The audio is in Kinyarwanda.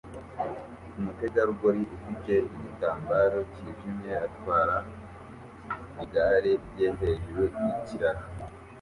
Umutegarugori ufite igitambaro cyijimye atwara igare rye hejuru yikiraro